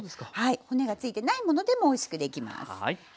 骨が付いてないものでもおいしくできます。